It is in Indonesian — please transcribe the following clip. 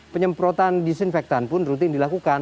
penyemprotan disinfektan pun rutin dilakukan